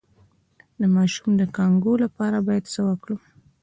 د ماشوم د کانګو لپاره باید څه وکړم؟